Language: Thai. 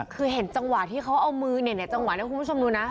คือเห็นจังหวะที่เขาเอามือเนี่ยจังหวะนี้คุณผู้ชมดูนะ